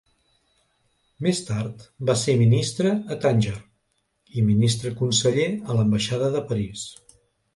Més tard va ser ministre a Tànger, i ministre conseller a l'ambaixada de París.